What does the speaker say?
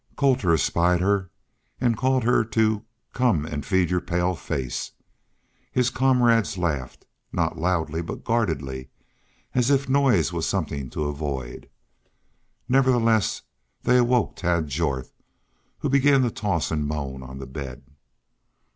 Colter espied her and called her to "Come an' feed your pale face." His comrades laughed, not loudly, but guardedly, as if noise was something to avoid. Nevertheless, they awoke Tad Jorth, who began to toss and moan on the bed.